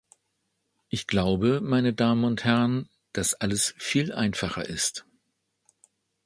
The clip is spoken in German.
Ich glaube, meine Damen und Herren, dass alles viel einfacher ist.